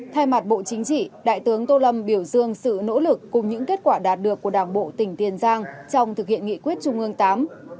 thay mặt bộ chính trị đại tướng tô lâm biểu dương sự nỗ lực cùng những kết quả đạt được của đảng bộ tỉnh tiền giang trong thực hiện nghị quyết trung ương viii